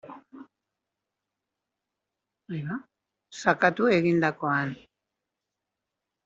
Nola hasten zarete idazten ikasleok?